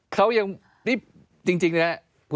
เขายังนี่จริงนี่แหละ